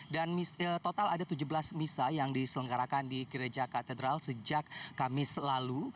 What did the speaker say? dan total ada tujuh belas misah yang diselenggarakan di gereja katedral sejak kamis lalu